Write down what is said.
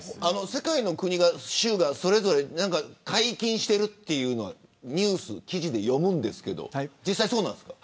世界の国や州が解禁しているというのはニュース、記事で読むんですけど実際そうなんですか。